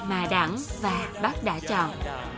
mà đảng và bác đã chọn